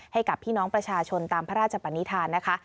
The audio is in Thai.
ให้กับพี่น้องประชาชนตามพระราชปนิษฐานนะคะ